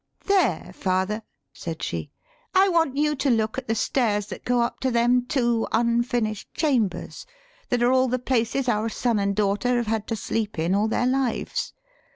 " There father," said she, "I want you to look at the stairs that go up to them two unfinished cham bers that are all the places our son an' daughter have had to sleep in all their lives.